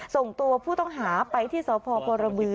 ส่งตัวผู้ต้องหาไปที่สพบรบือ